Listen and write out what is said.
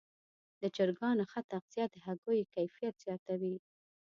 د چرګانو ښه تغذیه د هګیو کیفیت زیاتوي.